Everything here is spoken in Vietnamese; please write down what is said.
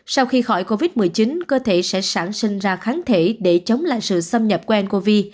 sau khi khỏi covid một mươi chín cơ thể sẽ sản sinh ra kháng thể để chống lại sự xâm nhập của ncov